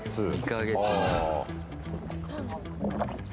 ２か月前。